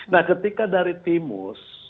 nah ketika dari timus